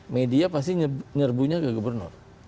media pasti nyerbunya ke gubernur